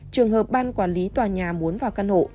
trường hợp ban quản lý tòa nhà muốn vào căn hộ